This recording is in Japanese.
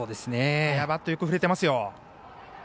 バットよく振れてますよ。